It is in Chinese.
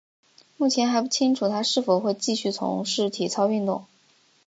目前还不清楚她是否会继续从事体操运动。